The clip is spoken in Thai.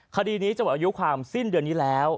คดีนี้จะหมดอายุความสิ้นเดือนนี้แล้ว